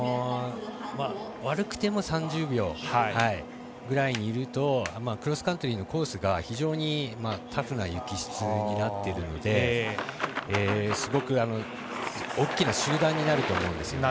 悪くても３０秒ぐらいにいるとクロスカントリーのコースが非常にタフな雪質になっているのですごく、大きな集団になると思うんです。